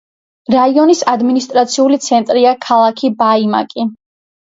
რაიონის ადმინისტრაციული ცენტრია ქალაქი ბაიმაკი.